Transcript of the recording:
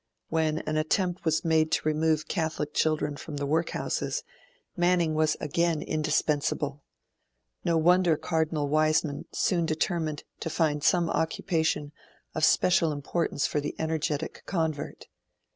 When an attempt was made to remove Catholic children from the Workhouses, Manning was again indispensable. No wonder Cardinal Wiseman soon determined to find some occupation of special importance for the energetic convert.